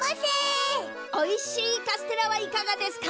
おいしいカステラはいかがですか？